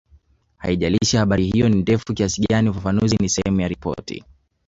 Haijalishi habari hiyo ni ndefu kiasi gani ufafanuzi ni sehemu ya ripoti